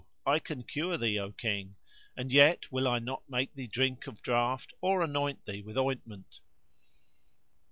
I can cure thee, O King; and yet will I not make thee drink of draught or anoint thee with ointment."